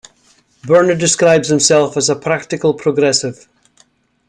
Burner describes herself as a "practical progressive".